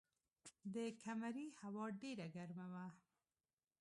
د کمرې هوا ډېره ګرمه وه.